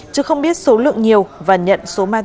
chứ không biết số lượng nhiều và nhận số ma túy trên giúp cho trung